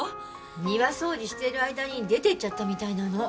庭掃除してる間に出てっちゃったみたいなの